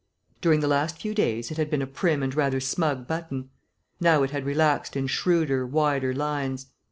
During the last few days it had been a prim and rather smug button. Now it had relaxed in shrewder, wider lines.